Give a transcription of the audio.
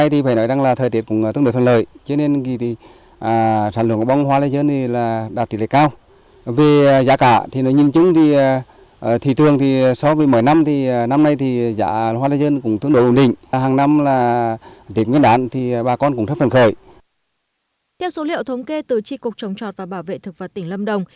theo số liệu thống kê từ tri cục trống trọt và bảo vệ thực vật tỉnh lâm đồng